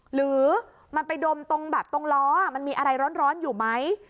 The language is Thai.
หรือมันไปดมตรงแบบตรงล้อมันมีอะไรร้อนอยู่ไหม